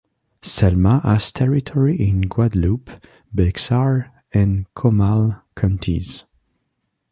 Selma has territory in Guadalupe, Bexar and Comal counties.